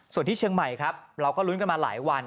ส่วนที่เชียงใหม่ครับเราก็ลุ้นกันมาหลายวัน